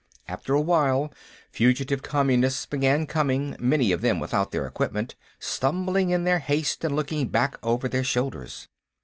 After a while, fugitive Communists began coming, many of them without their equipment, stumbling in their haste and looking back over their shoulders.